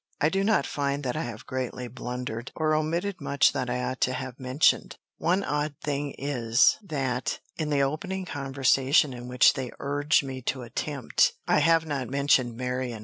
I do not find that I have greatly blundered, or omitted much that I ought to have mentioned. One odd thing is, that, in the opening conversation in which they urge me to the attempt, I have not mentioned Marion.